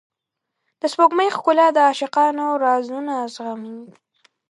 د سپوږمۍ ښکلا د عاشقانو رازونه زغمي.